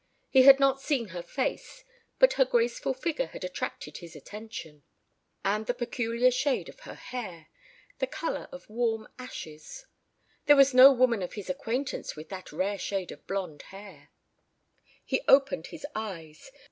He had not seen her face, but her graceful figure had attracted his attention, and the peculiar shade of her hair: the color of warm ashes. There was no woman of his acquaintance with that rare shade of blonde hair. He opened his eyes.